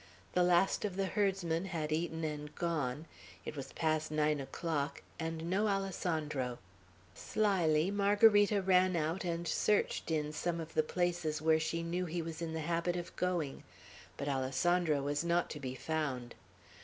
The last of the herdsmen had eaten and gone; it was past nine o'clock, and no Alessandro. Slyly Margarita ran out and searched in some of the places where she knew he was in the habit of going; but Alessandro was not to be found.